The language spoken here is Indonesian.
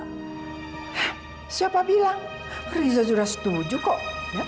hah siapa bilang riza sudah setuju kok